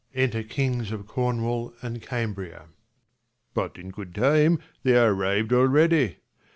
Enter kings of Cornwall an d Cambria. But in good time, they are arriv'd already.